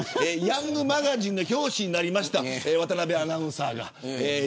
ヤングマガジンの表紙になりました渡邊アナウンサーが。